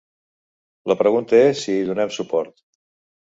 La pregunta és si hi donem suport?